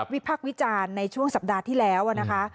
พักวิจารณ์ในช่วงสัปดาห์ที่แล้วนะคะ